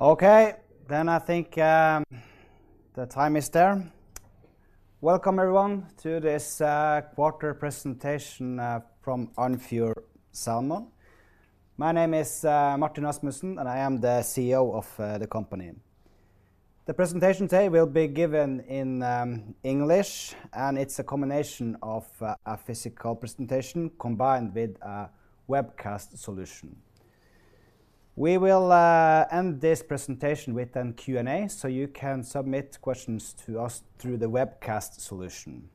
Okay, then I think, the time is there. Welcome everyone to this, quarter presentation, from Andfjord Salmon. My name is, Martin Rasmussen, and I am the CEO of, the company. The presentation today will be given in, English, and it's a combination of a physical presentation combined with a webcast solution. We will, end this presentation with a Q&A, so you can submit questions to us through the webcast solution.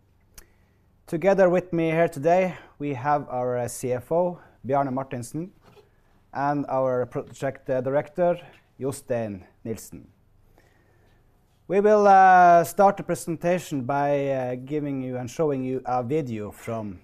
Together with me here today, we have our CFO, Bjarne Martinsen, and our project director, Jostein Nilssen. We will, start the presentation by, giving you and showing you a video from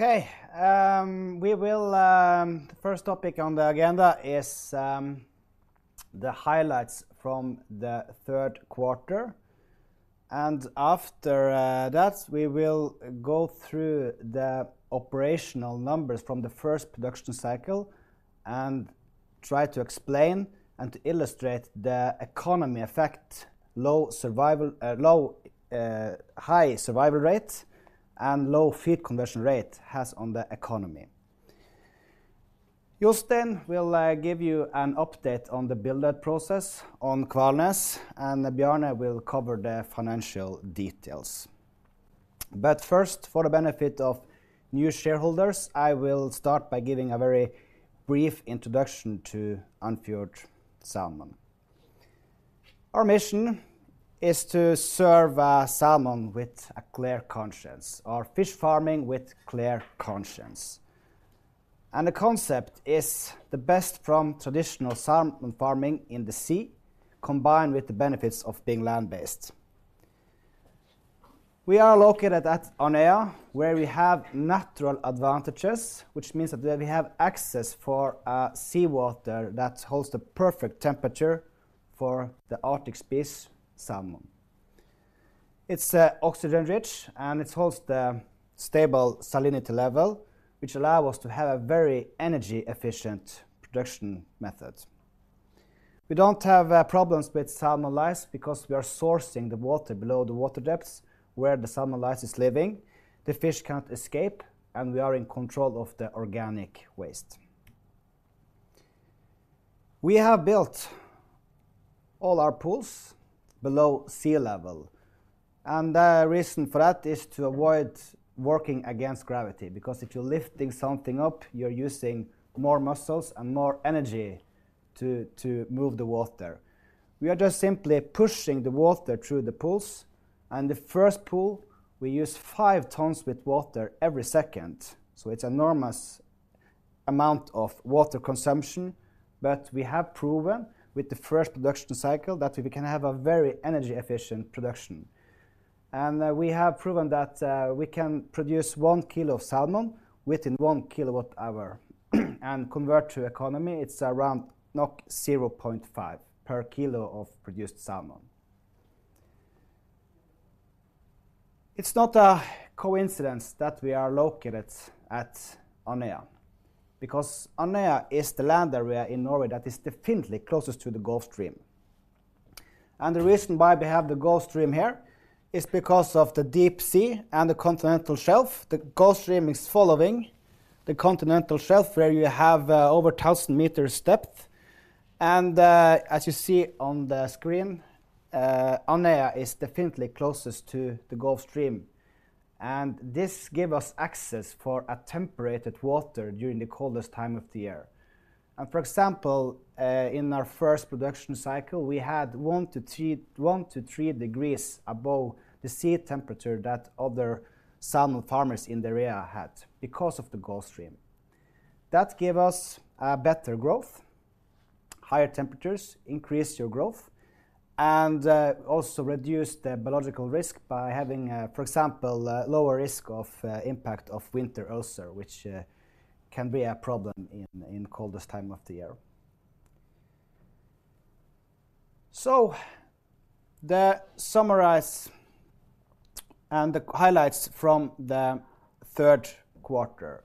Andøya. Okay, we will... The first topic on the agenda is the highlights from the Q3, and after that, we will go through the operational numbers from the first production cycle and try to explain and illustrate the economic effect high survival rate and low feed conversion rate has on the economy. Jostein will give you an update on the build-out process on Kvalnes, and Bjarne will cover the financial details. But first, for the benefit of new shareholders, I will start by giving a very brief introduction to Andfjord Salmon. Our mission is to serve salmon with a clear conscience, or fish farming with clear conscience. The concept is the best from traditional salmon farming in the sea, combined with the benefits of being land-based. We are located at Andøya, where we have natural advantages, which means that we have access for seawater that holds the perfect temperature for the Arctic species, salmon. It's oxygen-rich, and it holds the stable salinity level, which allow us to have a very energy-efficient production method. We don't have problems with salmon lice because we are sourcing the water below the water depths where the salmon lice is living. The fish can't escape, and we are in control of the organic waste. We have built all our pools below sea level, and the reason for that is to avoid working against gravity, because if you're lifting something up, you're using more muscles and more energy to move the water. We are just simply pushing the water through the pools, and the first pool, we use 5 tons of water every second, so it's an enormous amount of water consumption. But we have proven with the first production cycle that we can have a very energy-efficient production. And we have proven that we can produce 1 kilo of salmon within 1 kWh. And convert to economy, it's around 0.5 per kilo of produced salmon. It's not a coincidence that we are located at Andøya, because Andøya is the land area in Norway that is definitely closest to the Gulf Stream. And the reason why we have the Gulf Stream here is because of the deep sea and the continental shelf. The Gulf Stream is following the continental shelf, where you have over 1,000 meters depth, and as you see on the screen, Andøya is definitely closest to the Gulf Stream. This gives us access to temperate water during the coldest time of the year. For example, in our first production cycle, we had 1-3, 1-3 degrees above the sea temperature that other salmon farmers in the area had because of the Gulf Stream. That gave us better growth. Higher temperatures increase your growth and also reduce the biological risk by having, for example, a lower risk of impact of winter ulcer, which can be a problem in coldest time of the year. So to summarize and the highlights from the Q3,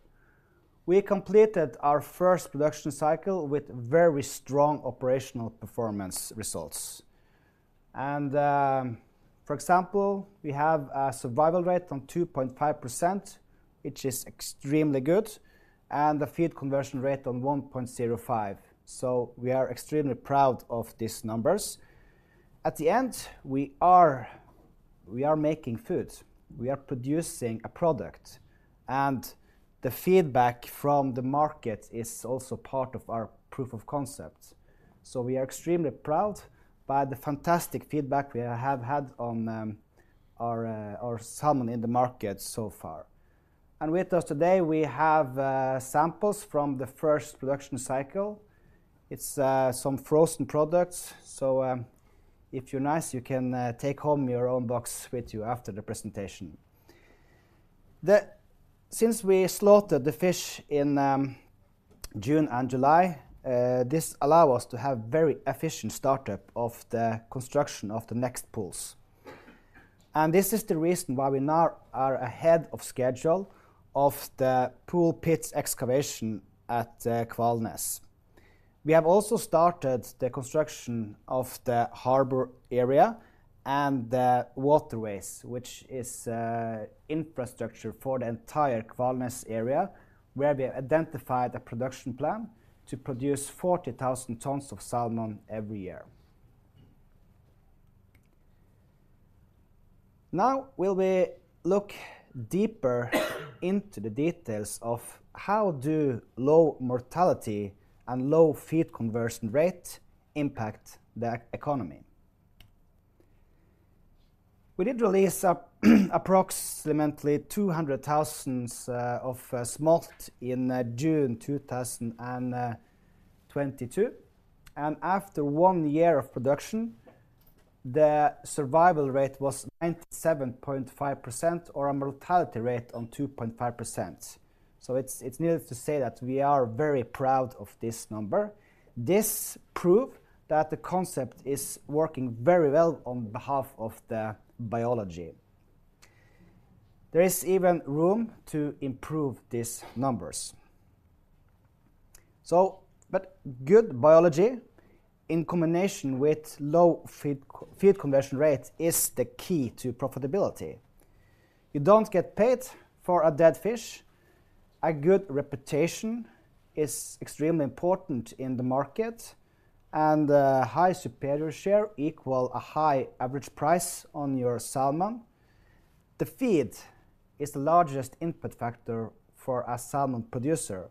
we completed our first production cycle with very strong operational performance results. And, for example, we have a survival rate on 2.5%, which is extremely good, and a feed conversion rate on 1.05. So we are extremely proud of these numbers. At the end, we are, we are making food, we are producing a product, and the feedback from the market is also part of our proof of concept. So we are extremely proud by the fantastic feedback we have had on, our, our salmon in the market so far. And with us today, we have, samples from the first production cycle. It's, some frozen products, so, if you're nice, you can, take home your own box with you after the presentation. Since we slaughtered the fish in June and July, this allow us to have very efficient startup of the construction of the next pools. This is the reason why we now are ahead of schedule of the pool pits excavation at Kvalnes. We have also started the construction of the harbor area and the waterways, which is infrastructure for the entire Kvalnes area, where we have identified a production plan to produce 40,000 tons of salmon every year. Now, we'll look deeper into the details of how low mortality and low feed conversion rate impact the economy. We did release approximately 200,000 smolt in June 2022, and after one year of production, the survival rate was 97.5%, or a mortality rate of 2.5%. So it's needless to say that we are very proud of this number. This prove that the concept is working very well on behalf of the biology. There is even room to improve these numbers. But good biology, in combination with low feed conversion rate, is the key to profitability. You don't get paid for a dead fish. A good reputation is extremely important in the market, and a high Superior share equal a high average price on your salmon. The feed is the largest input factor for a salmon producer,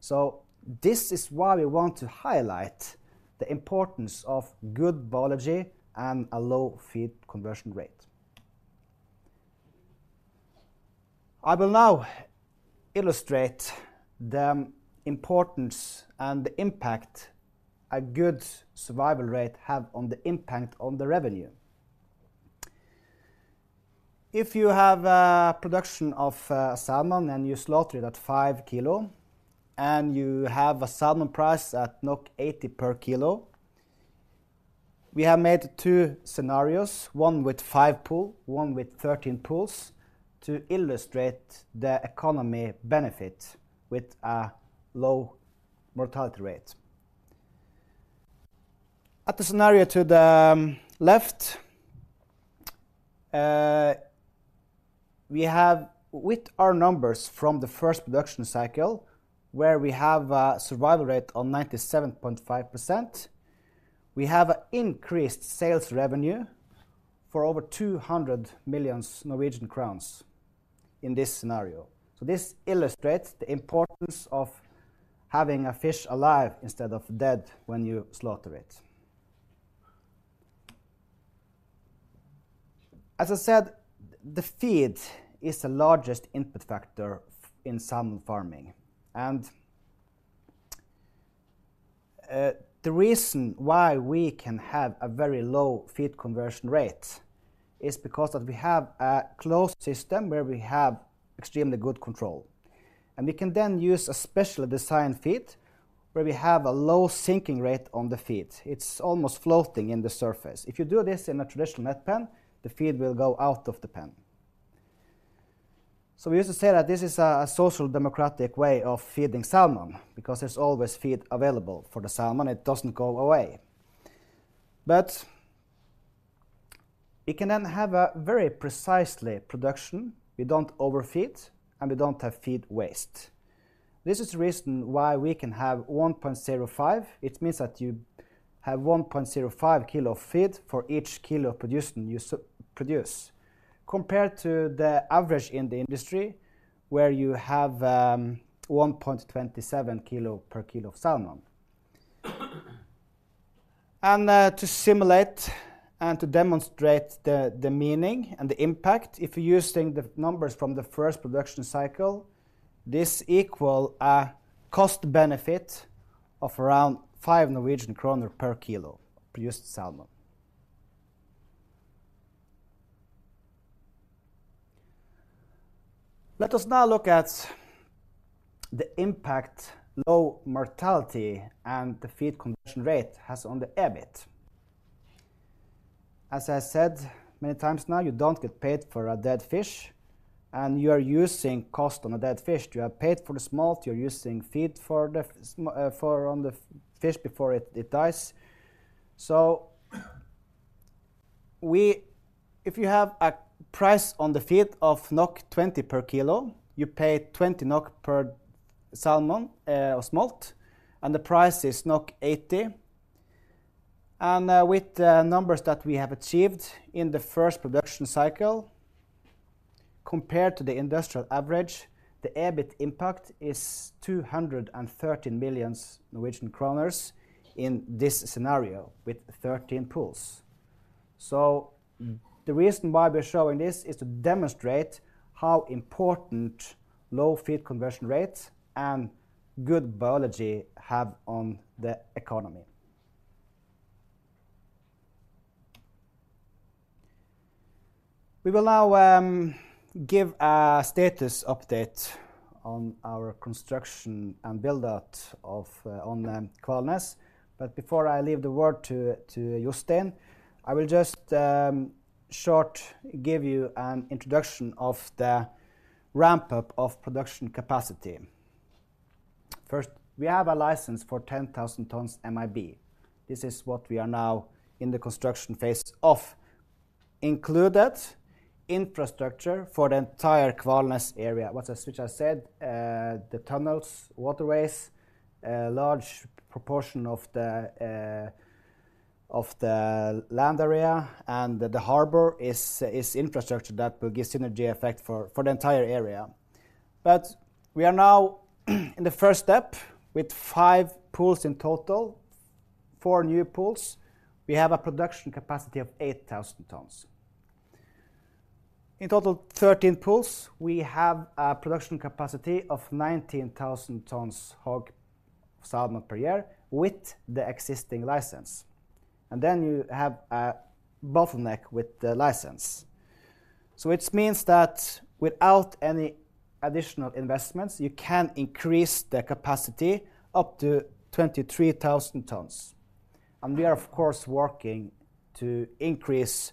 so this is why we want to highlight the importance of good biology and a low feed conversion rate. I will now illustrate the importance and the impact a good survival rate have on the revenue. If you have a production of salmon and you slaughter it at 5 kilo, and you have a salmon price at 80 per kilo, we have made 2 scenarios, one with 5 pool, one with 13 pools, to illustrate the economy benefit with a low mortality rate. In the scenario to the left, we have with our numbers from the first production cycle, where we have a survival rate of 97.5%, we have an increased sales revenue for over 200 million Norwegian crowns in this scenario. So this illustrates the importance of having a fish alive instead of dead when you slaughter it. As I said, the feed is the largest input factor in salmon farming. The reason why we can have a very low feed conversion rate is because that we have a closed system where we have extremely good control. We can then use a specially designed feed, where we have a low sinking rate on the feed. It's almost floating in the surface. If you do this in a traditional net pen, the feed will go out of the pen. So we used to say that this is a social democratic way of feeding salmon, because there's always feed available for the salmon, it doesn't go away. But we can then have a very precisely production. We don't overfeed, and we don't have feed waste. This is the reason why we can have 1.05. It means that you have 1.05 kilo of feed for each kilo of production you produce, compared to the average in the industry, where you have 1.27 kilo per kilo of salmon. To simulate and to demonstrate the meaning and the impact, if you're using the numbers from the first production cycle, this equal a cost benefit of around 5 Norwegian kroner per kilo of produced salmon. Let us now look at the impact low mortality and the feed conversion rate has on the EBIT. As I said many times now, you don't get paid for a dead fish... and you are using cost on a dead fish. You have paid for the smolt, you're using feed for on the fish before it dies. So, if you have a price on the feed of 20 per kilo, you pay 20 NOK per salmon, or smolt, and the price is 80. With the numbers that we have achieved in the first production cycle, compared to the industrial average, the EBIT impact is 213 million Norwegian kroner in this scenario, with 13 pools. The reason why we're showing this is to demonstrate how important low feed conversion rate and good biology have on the economy. We will now give a status update on our construction and build out on Kvalnes. But before I leave the word to Jostein, I will just short give you an introduction of the ramp up of production capacity. First, we have a license for 10,000 tons MIB. This is what we are now in the construction phase of. Included, infrastructure for the entire Kvalnes area. What I, which I said, the tunnels, waterways, a large proportion of the, of the land area, and the harbor is, is infrastructure that will give synergy effect for, for the entire area. But we are now in the first step with 5 pools in total, 4 new pools. We have a production capacity of 8,000 tons. In total, 13 pools, we have a production capacity of 19,000 tons HOG salmon per year with the existing license. And then you have a bottleneck with the license. So it means that without any additional investments, you can increase the capacity up to 23,000 tons. And we are, of course, working to increase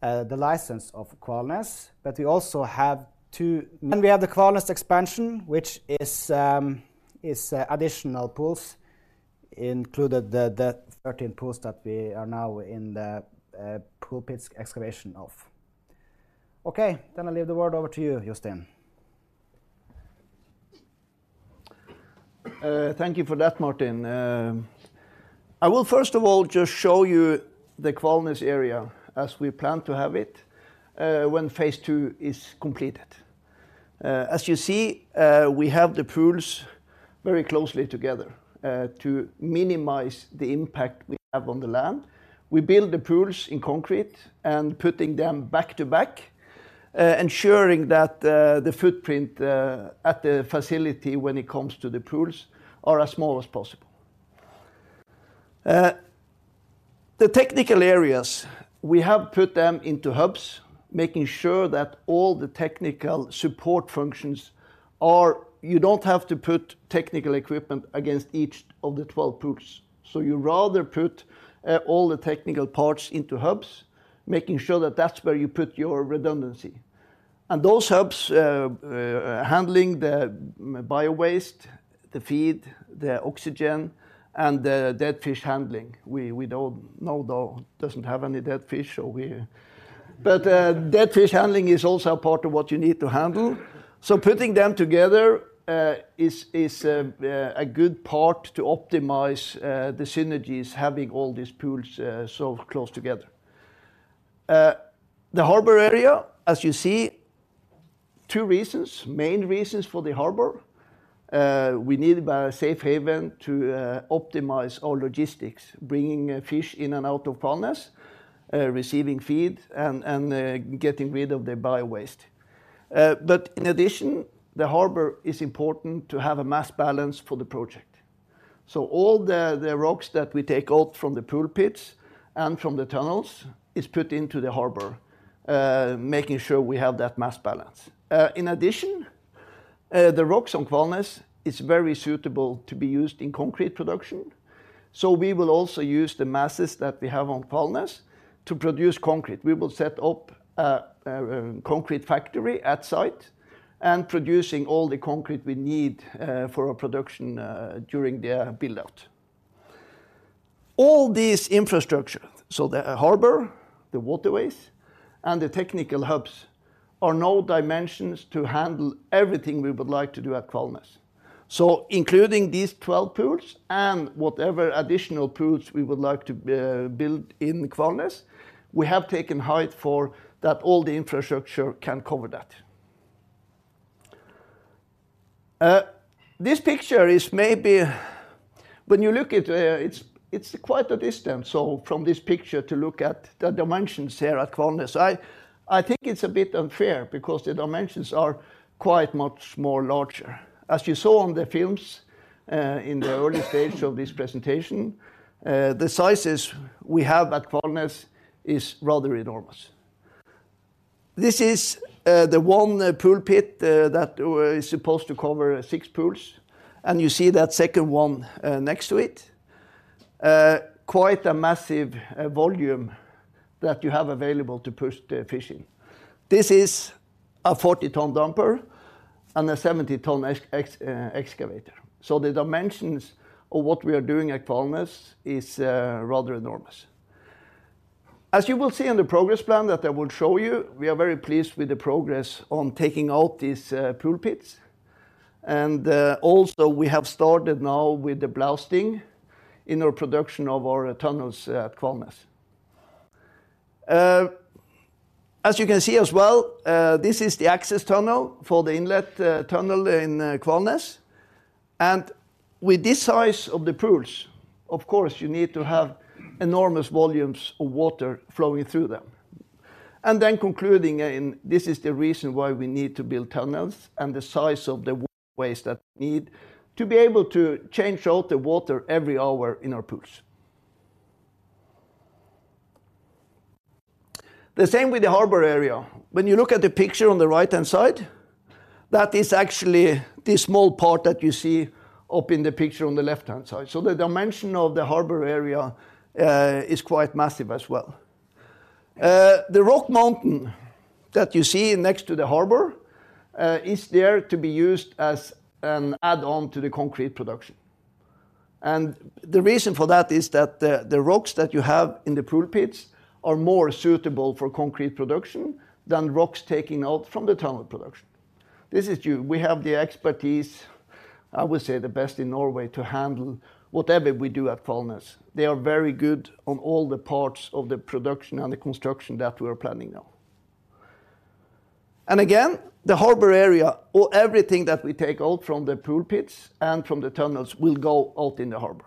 the license of Kvalnes, but we also have. Then we have the Kvalnes expansion, which is additional pools, included the 13 pools that we are now in the pool pits excavation of. Okay, then I leave the word over to you, Jostein. Thank you for that, Martin. I will first of all just show you the Kvalnes area as we plan to have it, when Phase II is completed. As you see, we have the pools very closely together, to minimize the impact we have on the land. We build the pools in concrete and putting them back to back, ensuring that the, the footprint, at the facility, when it comes to the pools, are as small as possible. The technical areas, we have put them into hubs, making sure that all the technical support functions are... You don't have to put technical equipment against each of the 12 pools. So you rather put, all the technical parts into hubs, making sure that that's where you put your redundancy. Those hubs handling the biowaste, the feed, the oxygen, and the dead fish handling. We don't know, though, doesn't have any dead fish. But dead fish handling is also a part of what you need to handle. Putting them together is a good part to optimize the synergies, having all these pools so close together. The harbor area, as you see, two main reasons for the harbor. We need a safe haven to optimize our logistics, bringing fish in and out of Kvalnes, receiving feed, and getting rid of the biowaste. But in addition, the harbor is important to have a mass balance for the project. So all the rocks that we take out from the pool pits and from the tunnels is put into the harbor, making sure we have that mass balance. In addition, the rocks on Kvalnes is very suitable to be used in concrete production, so we will also use the masses that we have on Kvalnes to produce concrete. We will set up a concrete factory at site and producing all the concrete we need for our production during the build-out. All this infrastructure, so the harbor, the waterways, and the technical hubs, are now dimensions to handle everything we would like to do at Kvalnes. So including these 12 pools and whatever additional pools we would like to build in Kvalnes, we have taken height for that all the infrastructure can cover that. This picture is maybe... When you look at, it's quite a distance, so from this picture to look at the dimensions here at Kvalnes. I think it's a bit unfair because the dimensions are quite much more larger. As you saw on the films in the early stage of this presentation, the sizes we have at Kvalnes is rather enormous. This is the 1 pool pit that is supposed to cover 6 pools, and you see that second one next to it, quite a massive volume that you have available to push the fish in. This is a 40-ton dumper and a 70-ton excavator. So the dimensions of what we are doing at Kvalnes is rather enormous. As you will see in the progress plan that I will show you, we are very pleased with the progress on taking out these pool pits. And also we have started now with the blasting in our production of our tunnels at Kvalnes. As you can see as well, this is the access tunnel for the inlet tunnel in Kvalnes. And with this size of the pools, of course, you need to have enormous volumes of water flowing through them. And then concluding in, this is the reason why we need to build tunnels and the size of the ways that we need to be able to change out the water every hour in our pools. The same with the harbor area. When you look at the picture on the right-hand side, that is actually this small part that you see up in the picture on the left-hand side. So the dimension of the harbor area is quite massive as well. The rock mountain that you see next to the harbor is there to be used as an add-on to the concrete production. And the reason for that is that the rocks that you have in the pits are more suitable for concrete production than rocks taking out from the tunnel production. This is due. We have the expertise, I would say, the best in Norway to handle whatever we do at Kvalnes. They are very good on all the parts of the production and the construction that we are planning now. And again, the harbor area, or everything that we take out from the pulpits and from the tunnels, will go out in the harbor.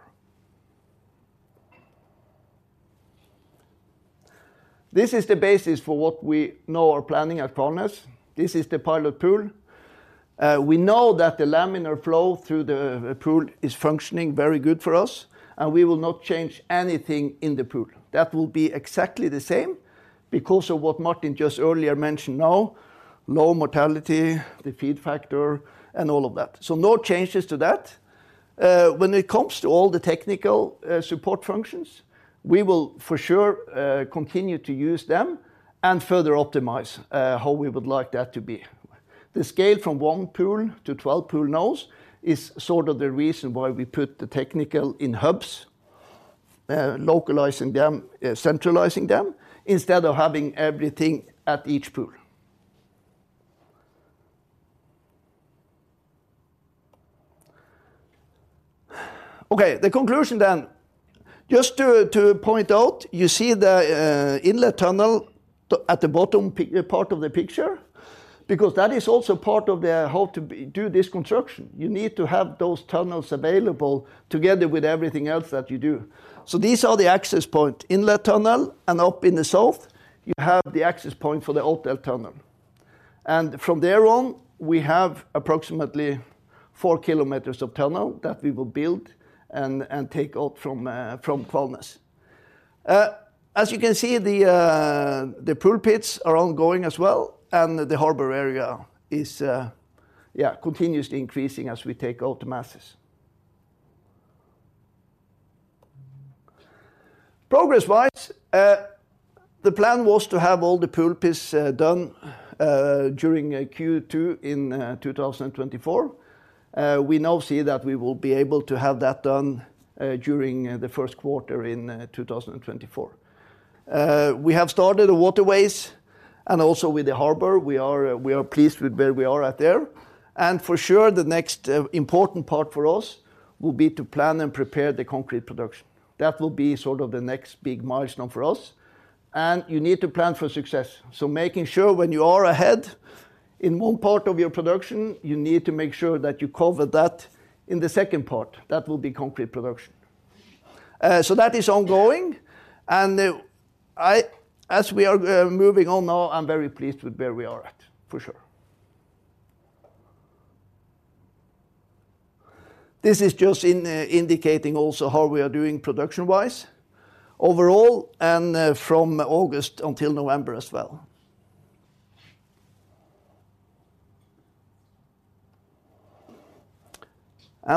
This is the basis for what we know are planning at Kvalnes. This is the pilot pool. We know that the laminar flow through the pool is functioning very good for us, and we will not change anything in the pool. That will be exactly the same because of what Martin just earlier mentioned now, low mortality, the feed factor, and all of that. So no changes to that. When it comes to all the technical support functions, we will for sure continue to use them and further optimize how we would like that to be. The scale from 1 pool to 12 pools now is sort of the reason why we put the technical hubs, localizing them, centralizing them, instead of having everything at each pool. Okay, the conclusion then, just to point out, you see the inlet tunnel at the bottom part of the picture, because that is also part of the how to do this construction. You need to have those tunnels available together with everything else that you do. So these are the access point, inlet tunnel, and up in the south, you have the access point for the outfall tunnel. And from there on, we have approximately 4 kilometers of tunnel that we will build and take out from Kvalnes. As you can see, the pulpits are ongoing as well, and the harbor area is, yeah, continuously increasing as we take out the masses. Progress-wise, the plan was to have all the pulpits done during Q2 in 2024. We now see that we will be able to have that done during the Q1 in 2024. We have started the waterways, and also with the harbor, we are pleased with where we are at there. For sure, the next important part for us will be to plan and prepare the concrete production. That will be sort of the next big milestone for us, and you need to plan for success. Making sure when you are ahead in one part of your production, you need to make sure that you cover that in the second part. That will be concrete production. That is ongoing, and as we are moving on now, I'm very pleased with where we are at, for sure. This is just indicating also how we are doing production-wise, overall, and from August until November as well.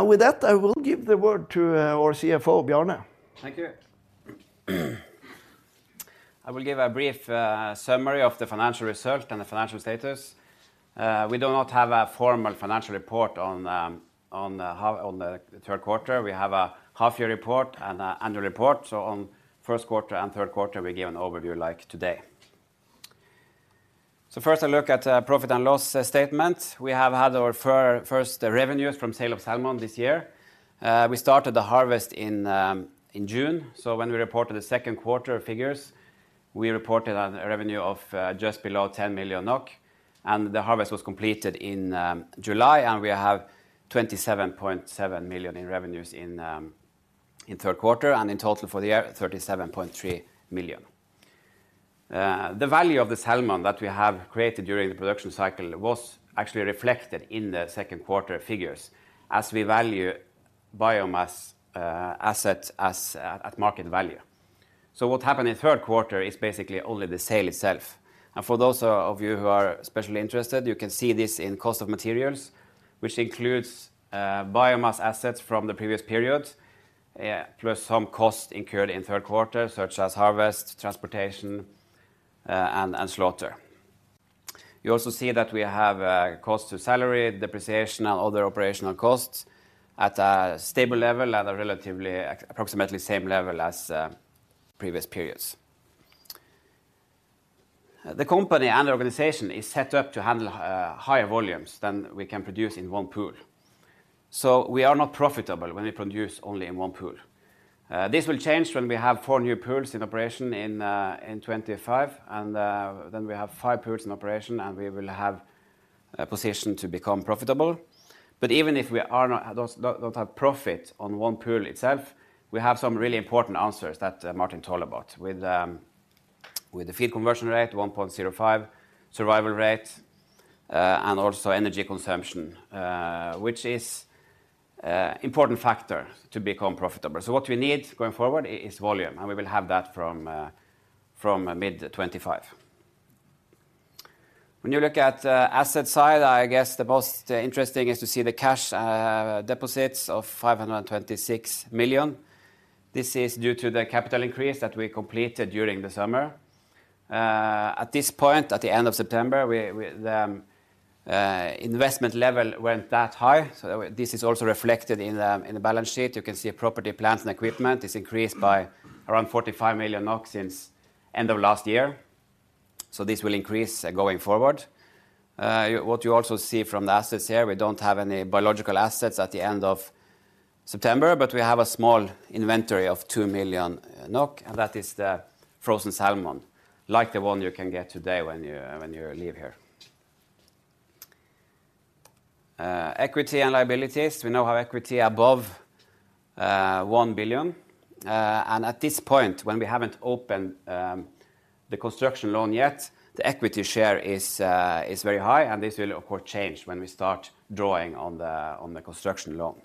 With that, I will give the word to our CFO, Bjarne. Thank you. I will give a brief summary of the financial results and the financial status. We do not have a formal financial report on the half, on the Q3. We have a half-year report and an annual report, so on Q1 and Q3, we give an overview like today. So first, a look at profit and loss statement. We have had our first revenues from sale of salmon this year. We started the harvest in June, so when we reported the Q2 figures, we reported a revenue of just below 10 million NOK, and the harvest was completed in July, and we have 27.7 million in revenues in Q3, and in total for the year, 37.3 million. The value of the salmon that we have created during the production cycle was actually reflected in the Q2 figures as we value biomass assets as at market value. So what happened in Q3 is basically only the sale itself. And for those of you who are especially interested, you can see this in cost of materials, which includes biomass assets from the previous period plus some costs incurred in Q3, such as harvest, transportation, and slaughter. You also see that we have a cost to salary, depreciation, and other operational costs at a stable level and a relatively approximately same level as previous periods. The company and the organization is set up to handle higher volumes than we can produce in one pool. So we are not profitable when we produce only in one pool. This will change when we have four new pools in operation in 2025, and then we have five pools in operation, and we will have a position to become profitable. But even if we are not, don't, don't, don't have profit on one pool itself, we have some really important answers that Martin talked about with the feed conversion rate, 1.05, survival rate, and also energy consumption, which is an important factor to become profitable. So what we need going forward is volume, and we will have that from mid-2025. When you look at asset side, I guess the most interesting is to see the cash deposits of 526 million. This is due to the capital increase that we completed during the summer. At this point, at the end of September, investment level weren't that high. So this is also reflected in the balance sheet. You can see property, plants, and equipment is increased by around 45 million NOK since end of last year, so this will increase going forward. What you also see from the assets here, we don't have any biological assets at the end of September, but we have a small inventory of 2 million NOK, and that is the frozen salmon, like the one you can get today when you leave here. Equity and liabilities. We now have equity above 1 billion NOK. And at this point, when we haven't opened the construction loan yet, the equity share is very high, and this will of course change when we start drawing on the construction loan.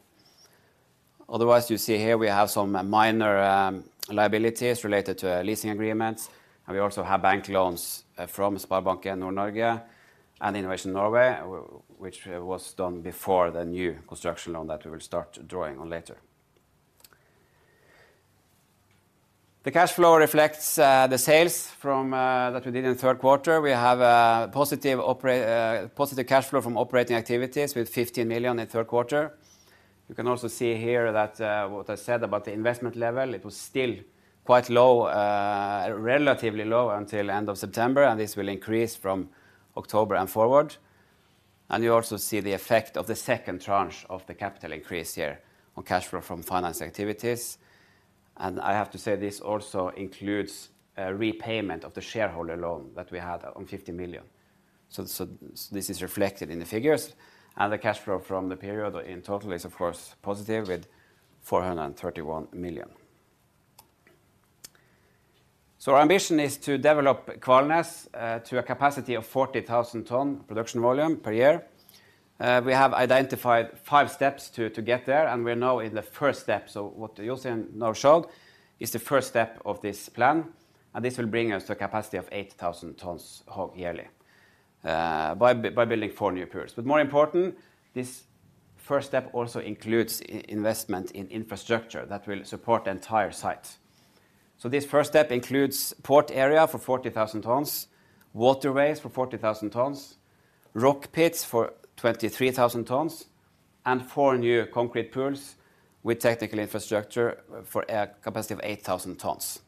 Otherwise, you see here we have some minor liabilities related to leasing agreements, and we also have bank loans from SpareBank 1 Nord-Norge and Innovation Norway, which was done before the new construction loan that we will start drawing on later. The cash flow reflects the sales that we did in the Q3. We have a positive cash flow from operating activities with 15 million in the Q3. You can also see here that what I said about the investment level, it was still quite low, relatively low until end of September, and this will increase from October and forward. And you also see the effect of the second tranche of the capital increase here on cash flow from financing activities. And I have to say, this also includes a repayment of the shareholder loan that we had on 50 million. So this is reflected in the figures, and the cash flow from the period in total is of course positive with 431 million. So our ambition is to develop Kvalnes to a capacity of 40,000-ton production volume per year. We have identified five steps to get there, and we are now in the first step. So what Jostein now showed is the first step of this plan, and this will bring us to a capacity of 8,000 tons yearly by building four new pools. But more important, this first step also includes investment in infrastructure that will support the entire site. So this first step includes port area for 40,000 tons, waterways for 40,000 tons, rock pits for 23,000 tons, and four new concrete pools with technical infrastructure for a capacity of 8,000 tons.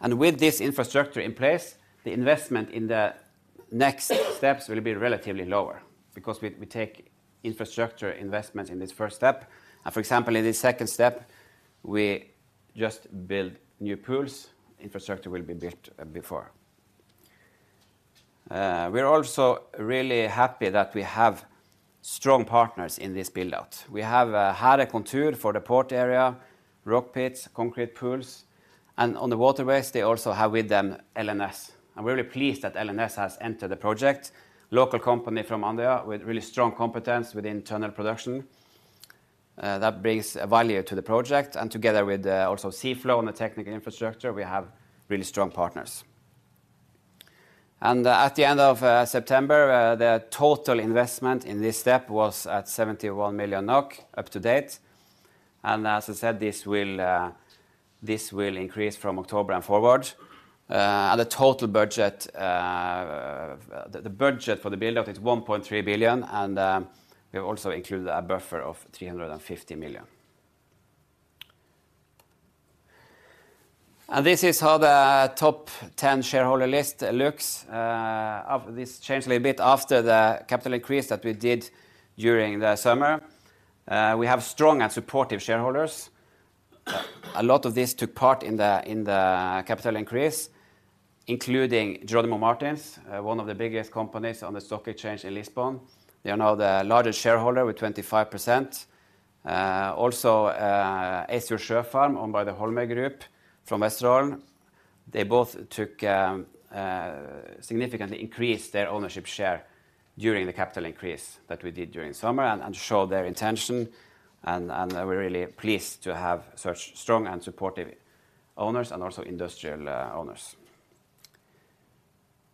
And with this infrastructure in place, the investment in the next steps will be relatively lower because we, we take infrastructure investment in this first step. And for example, in this second step, we just build new pools. Infrastructure will be built before. We're also really happy that we have strong partners in this build-out. We have had a contractor for the port area, rock pits, concrete pools, and on the waterways, they also have with them LNS. I'm really pleased that LNS has entered the project. Local company from Andøya, with really strong competence with internal production. That brings a value to the project, and together with also Seaflow and the technical infrastructure, we have really strong partners. And at the end of September, the total investment in this step was at 71 million NOK up to date. And as I said, this will increase from October and forward. And the total budget, the budget for the build-out is 1.3 billion, and we have also included a buffer of 350 million. And this is how the top 10 shareholder list looks. After this changed a little bit after the capital increase that we did during the summer. We have strong and supportive shareholders. A lot of this took part in the, in the capital increase, including Jerónimo Martins, one of the biggest companies on the stock exchange in Lisbon. They are now the largest shareholder with 25%. Also, Asker Sjøfarm, owned by the Holmøy Group from Vestfold.... they both took significantly increased their ownership share during the capital increase that we did during summer and showed their intention, and we're really pleased to have such strong and supportive owners, and also industrial owners.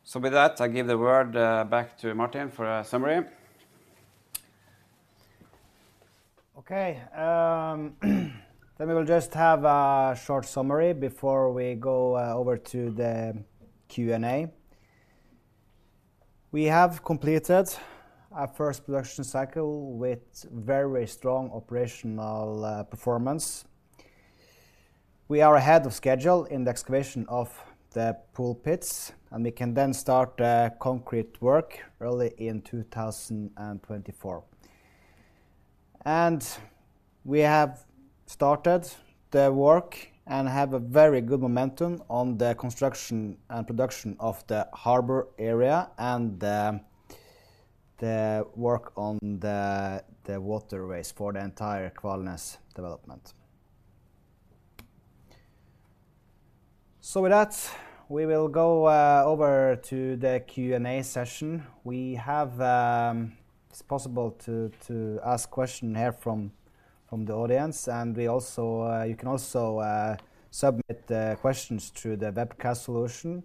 So with that, I give the word back to Martin for a summary. Okay, then we will just have a short summary before we go over to the Q&A. We have completed our first production cycle with very strong operational performance. We are ahead of schedule in the excavation of the pool pits, and we can then start the concrete work early in 2024. We have started the work and have a very good momentum on the construction and production of the harbor area and the work on the waterways for the entire Kvalnes development. So with that, we will go over to the Q&A session. We have... It's possible to ask question here from the audience, and we also, you can also submit questions through the webcast solution.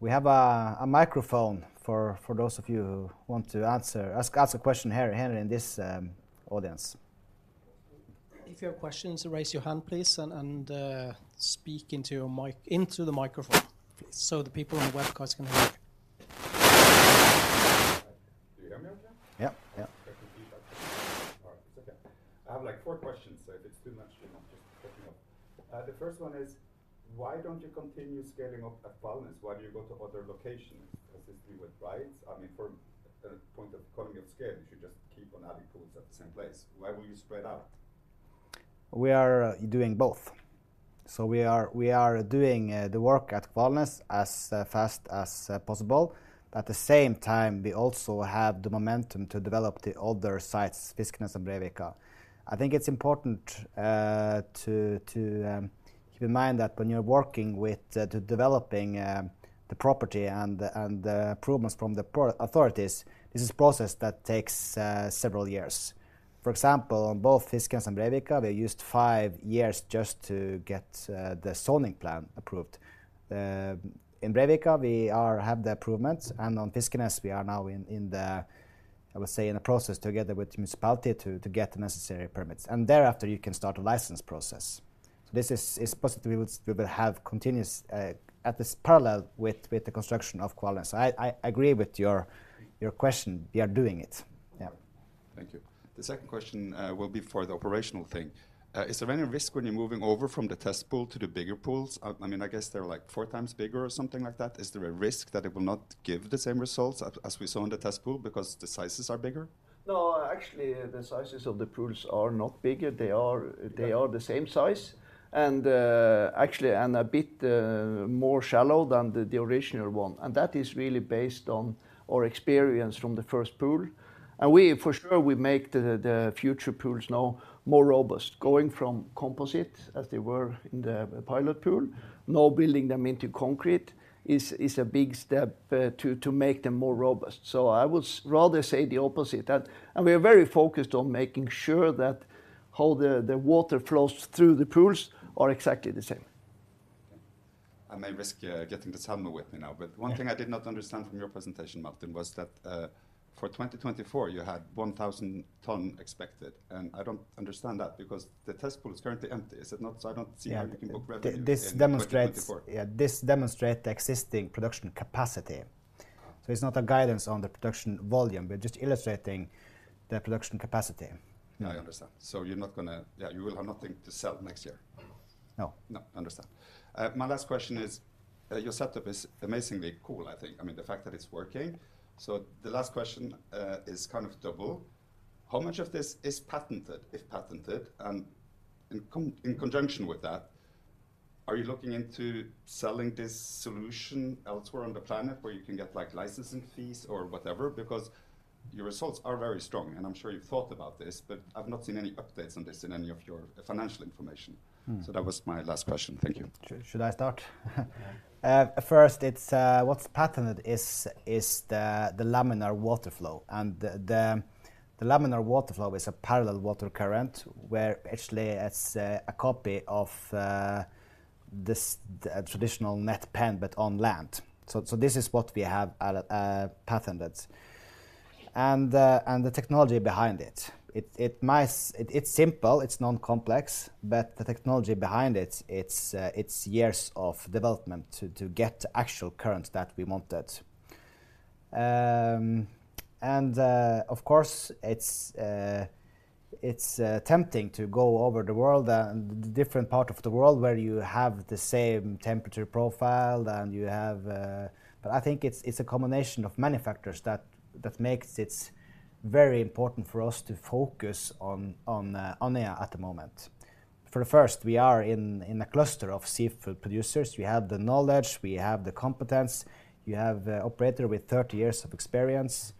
We have a microphone for those of you who want to ask a question here in this audience. If you have questions, raise your hand, please, and speak into your mic, into the microphone, please, so the people on the webcast can hear you. Do you hear me okay? Yeah. Yeah. I can see that. All right. It's okay. I have, like, four questions, so if it's too much just let me know. The first one is, why don't you continue scaling up at Kvalnes? Why do you go to other locations, as this deal with rights? I mean, from the point of economy of scale, you should just keep on adding pools at the same place. Why will you spread out? We are doing both. So we are doing the work at Kvalnes as fast as possible, but at the same time, we also have the momentum to develop the other sites, Fiskenes and Breivika. I think it's important to keep in mind that when you're working with developing the property and the approvals from the authorities, this is a process that takes several years. For example, on both Fiskenes and Breivika, we used five years just to get the zoning plan approved. In Breivika, we have the improvements, and on Fiskenes, we are now in the process together with the municipality to get the necessary permits. And thereafter, you can start a license process. This is supposed to be, we will have continuous at this parallel with the construction of Kvalnes. I agree with your question. We are doing it. Yeah. Thank you. The second question will be for the operational thing. Is there any risk when you're moving over from the test pool to the bigger pools? I mean, I guess they're, like, four times bigger or something like that. Is there a risk that it will not give the same results as we saw in the test pool because the sizes are bigger? No, actually, the sizes of the pools are not bigger. They are- Yeah... they are the same size, and actually, and a bit more shallow than the original one, and that is really based on our experience from the first pool. We, for sure, we make the future pools now more robust. Going from composite, as they were in the pilot pool, now building them into concrete is a big step to make them more robust. So I would rather say the opposite, that... We are very focused on making sure that how the water flows through the pools are exactly the same. Okay. I may risk getting to salmon with me now- Yeah. But one thing I did not understand from your presentation, Martin, was that, for 2024, you had 1,000 ton expected, and I don't understand that because the test pool is currently empty. Is it not? So I don't see- Yeah... how you can book revenue in 2024. This demonstrates, yeah, the existing production capacity. Uh. It's not a guidance on the production volume. We're just illustrating the production capacity. Yeah, I understand. So you're not gonna... Yeah, you will have nothing to sell next year? No. No, understand. My last question is, your setup is amazingly cool, I think. I mean, the fact that it's working. So the last question is kind of double. How much of this is patented, if patented, and in conjunction with that, are you looking into selling this solution elsewhere on the planet where you can get, like, licensing fees or whatever? Because your results are very strong, and I'm sure you've thought about this, but I've not seen any updates on this in any of your financial information. Mm. That was my last question. Thank you. Should I start? First, what's patented is the laminar flow, and the laminar flow is a parallel water current where actually it's a copy of the traditional net pen, but on land. So this is what we have patented, and the technology behind it. It's simple, it's non-complex, but the technology behind it, it's years of development to get actual current that we wanted. Of course, it's tempting to go over the world, different part of the world where you have the same temperature profile and you have... But I think it's a combination of many factors that makes it very important for us to focus on A at the moment. For the first, we are in a cluster of seafood producers. We have the knowledge, we have the competence, we have an operator with 30 years of experience.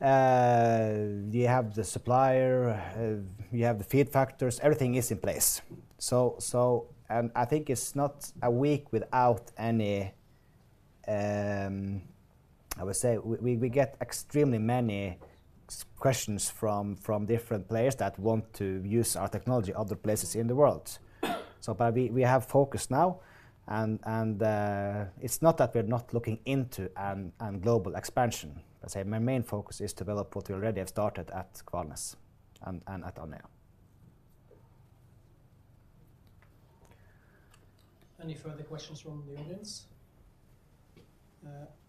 You have the supplier, you have the feed factors, everything is in place. So, and I think it's not a week without any, I would say we get extremely many questions from different players that want to use our technology other places in the world. So but we have focus now, and it's not that we're not looking into a global expansion. Let's say my main focus is develop what we already have started at Kvalnes and at Andøya. Any further questions from the audience?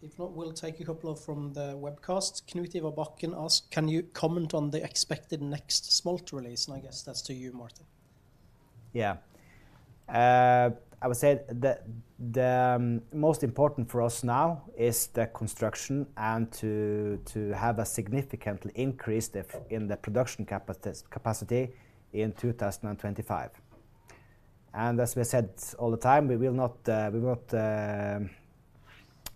If not, we'll take a couple of from the webcast. Knut Ivar Bakken asked, "Can you comment on the expected next smolt release?" And I guess that's to you, Martin. Yeah. I would say the most important for us now is the construction and to have a significant increase in the production capacity in 2025. And as we said all the time, we will not,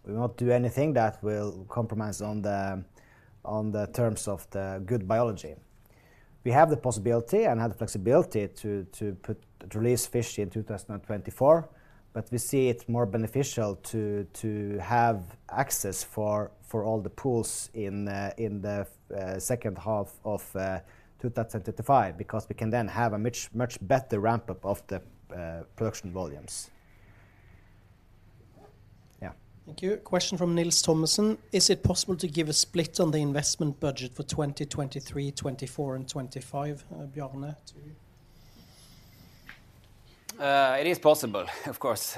we won't do anything that will compromise on the terms of the good biology. We have the possibility and have the flexibility to release fish in 2024, but we see it more beneficial to have access for all the pools in the second half of 2025, because we can then have a much better ramp-up of the production volumes. Yeah. Thank you. Question from Nils Thomassen: "Is it possible to give a split on the investment budget for 2023, 2024, and 2025? Bjarne, to you. It is possible, of course.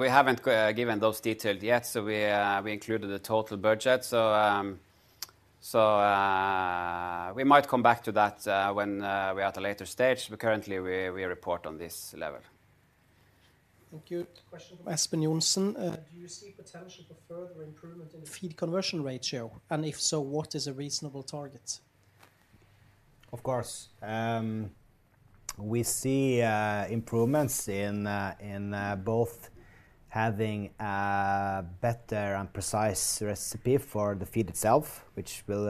We haven't given those details yet, so we included the total budget. So, we might come back to that when we're at a later stage, but currently we report on this level. Thank you. Question from Espen Johnsen: "Do you see potential for further improvement in the feed conversion ratio? And if so, what is a reasonable target? Of course. We see improvements in both having a better and precise recipe for the feed itself, which will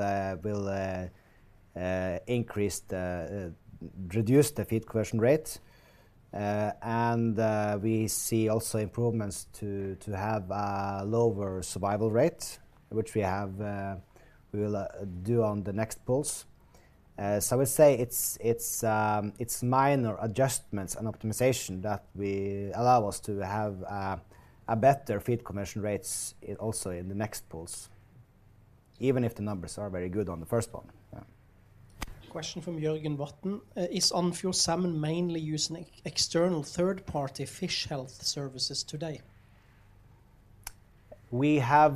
reduce the feed conversion rate. And we see also improvements to have a lower survival rate, which we will do on the next pools. So I would say it's minor adjustments and optimization that allow us to have a better feed conversion rates also in the next pools, even if the numbers are very good on the first one. Yeah. Question from Jørgen Vatn: "Is Andfjord Salmon mainly using external third-party fish health services today? We have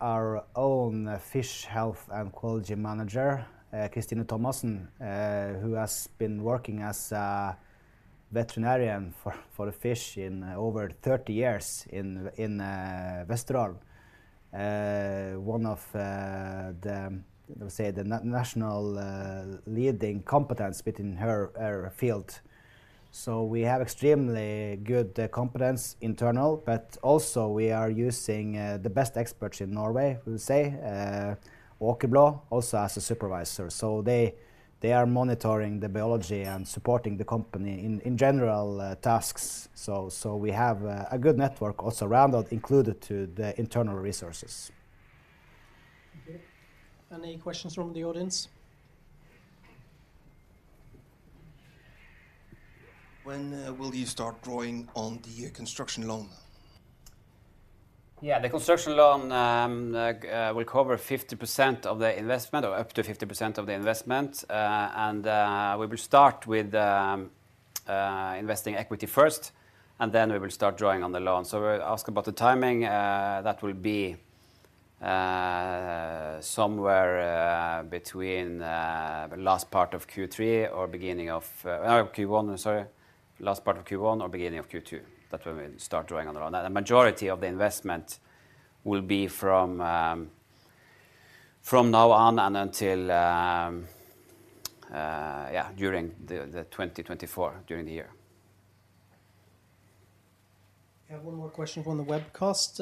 our own Fish Health and Quality Manager, Christine Thomassen, who has been working as a veterinarian for the fish in over 30 years in Vesterålen. One of the, let me say, the national leading competence within her field. So we have extremely good competence internal, but also we are using the best experts in Norway, we say, Åkerblå, also as a supervisor. So they are monitoring the biology and supporting the company in general tasks. So we have a good network also around that included to the internal resources. Okay. Any questions from the audience? When will you start drawing on the construction loan? Yeah, the construction loan will cover 50% of the investment or up to 50% of the investment. And we will start with investing equity first, and then we will start drawing on the loan. So we're asked about the timing, that will be somewhere between the last part of Q3 or beginning of Q1, I'm sorry. Last part of Q1 or beginning of Q2. That's when we start drawing on the loan. The majority of the investment will be from now on and until yeah during 2024 during the year. I have one more question from the webcast,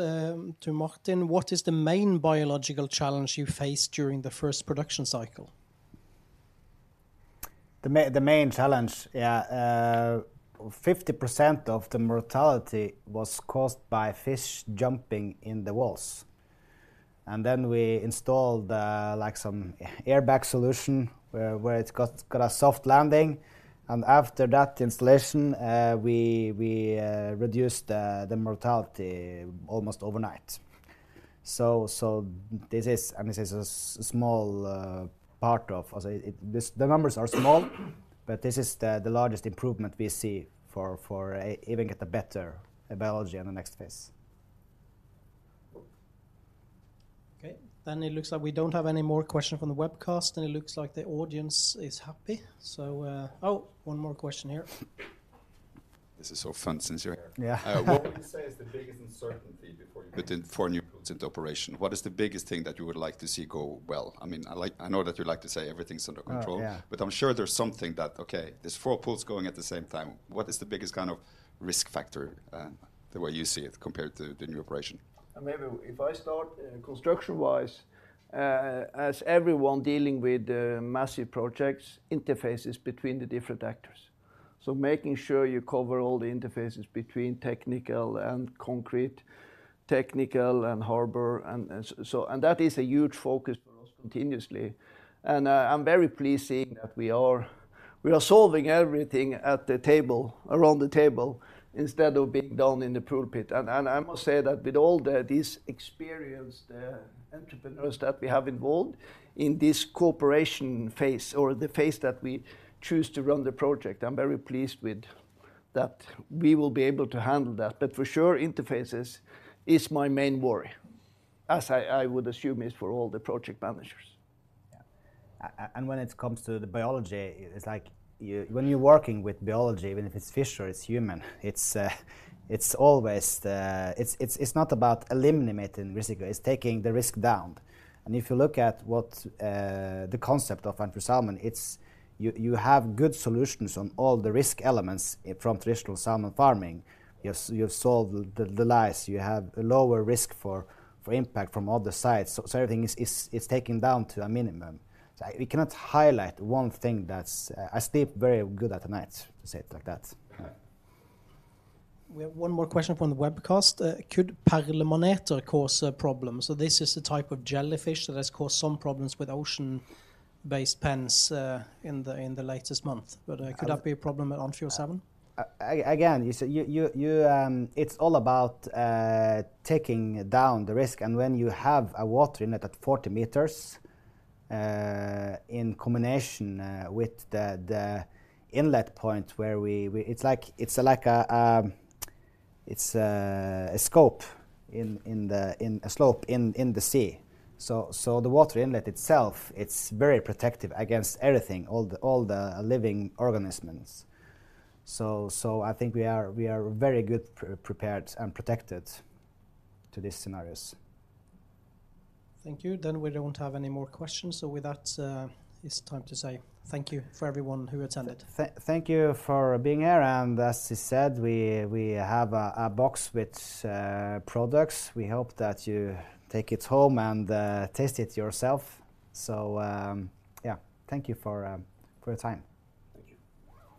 to Martin: What is the main biological challenge you faced during the first production cycle? The main challenge, 50% of the mortality was caused by fish jumping in the walls. And then we installed like some airbag solution, where it's got a soft landing, and after that installation, we reduced the mortality almost overnight. So this is, I mean, this is a small part of... The numbers are small, but this is the largest improvement we see for even get a better biology on the next phase. Okay. Then it looks like we don't have any more questions from the webcast, and it looks like the audience is happy. So, oh, one more question here. This is so fun since you're here. Yeah. What would you say is the biggest uncertainty before you, but then for new pools into operation, what is the biggest thing that you would like to see go well? I mean, I know that you like to say everything's under control. Oh, yeah... but I'm sure there's something that, okay, there's 4 pools going at the same time. What is the biggest kind of risk factor, the way you see it, compared to the new operation? Maybe if I start construction-wise, as everyone dealing with massive projects, interfaces between the different actors. So making sure you cover all the interfaces between technical and concrete, technical and harbor, and so, and that is a huge focus for us continuously. And I'm very pleased seeing that we are solving everything at the table, around the table, instead of being down in the pulpit. And I must say that with all these experienced entrepreneurs that we have involved in this cooperation phase, or the phase that we choose to run the project, I'm very pleased with that. We will be able to handle that, but for sure, interfaces is my main worry, as I would assume is for all the project managers. Yeah. And when it comes to the biology, it's like you... When you're working with biology, whether if it's fish or it's human, it's always, it's not about eliminating risk, it's taking the risk down. And if you look at what the concept of Andfjord Salmon, it's, you have good solutions on all the risk elements from traditional salmon farming. You've solved the lice, you have a lower risk for impact from other sides, so everything is, it's taken down to a minimum. So we cannot highlight one thing that's... I sleep very good at night, to say it like that. Yeah. We have one more question from the webcast. Could Perlesnormanet cause a problem? So this is a type of jellyfish that has caused some problems with ocean-based pens, in the latest month, but could that be a problem at Andfjord Salmon? Again, you see, it's all about taking down the risk, and when you have a water inlet at 40 meters, in combination with the inlet point where we... It's like, it's a slope in the sea. So the water inlet itself, it's very protective against everything, all the living organisms. So I think we are very good prepared and protected to these scenarios. Thank you. Then we don't have any more questions, so with that, it's time to say thank you for everyone who attended. Thank you for being here, and as I said, we have a box with products. We hope that you take it home and taste it yourself. So, yeah, thank you for your time. Thank you.